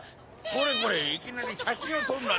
これこれいきなり写真を撮るなんて。